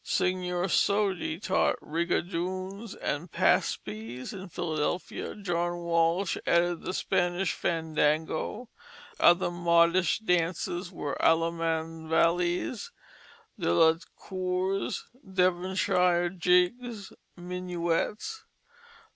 Signor Sodi taught rigadoons and paspies in Philadelphia; John Walsh added the Spanish fandango. Other modish dances were "Allemand vally's, De la cours, Devonshire jiggs, Minuets."